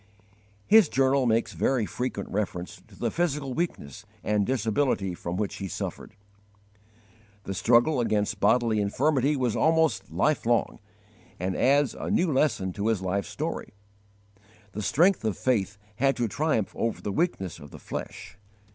His journal makes very frequent reference to the physical weakness and disability from which he suffered. The struggle against bodily infirmity was almost life long, and adds a new lesson to his life story. The strength of faith had to triumph over the weakness of the flesh.